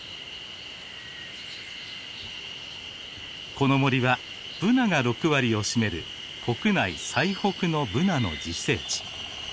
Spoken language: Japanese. この森はブナが６割を占める国内最北のブナの自生地。